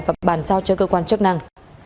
và bàn trao cho cơ quan chức năng